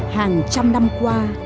hàng trăm năm qua